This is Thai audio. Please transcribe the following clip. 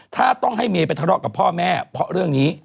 ถ้าต้องให้เมย์ไปทะเลาะกับพ่อแม่เพราะเรื่องนี้